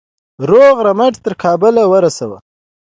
روغ رمټ تر کابله ورسوي.